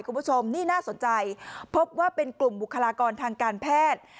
คุณผู้ชมนี่น่าสนใจพบว่าเป็นกลุ่มบุคลากรทางการแพทย์